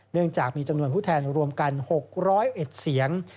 เนื่องจากมีจำนวนผู้แทนรวมกัน๖๐๑เสียง